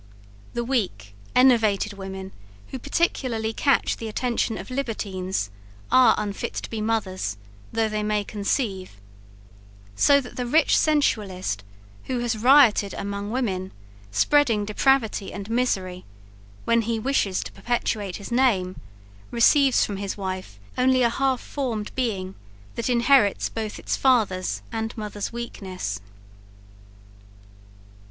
The weak enervated women who particularly catch the attention of libertines, are unfit to be mothers, though they may conceive; so that the rich sensualist, who has rioted among women, spreading depravity and misery, when he wishes to perpetuate his name, receives from his wife only an half formed being that inherits both its father's and mother's weakness.